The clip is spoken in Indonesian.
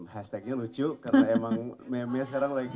hashtagnya lucu karena memang meme sekarang lagi